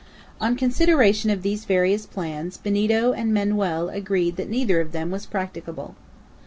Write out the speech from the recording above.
On consideration of these various plans, Benito and Manoel agreed that neither of them was practicable.